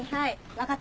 分かった？